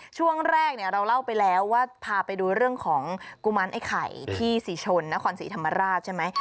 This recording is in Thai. ช่วงแรกเนี่ยเราเล่าไปแล้วว่าพาไปดูเรื่องของกุมารไอ้ไข่ที่ศรีชนนครศรีธรรมราชใช่ไหม